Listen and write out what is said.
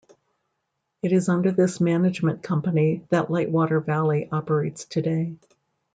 It is under this management company that Lightwater Valley operates today.